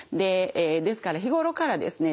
ですから日頃からですね